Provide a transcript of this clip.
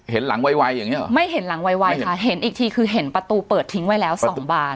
เห็นหลังไวอย่างเงี้หรอไม่เห็นหลังไวค่ะเห็นอีกทีคือเห็นประตูเปิดทิ้งไว้แล้วสองบาน